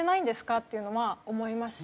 っていうのは思いますし。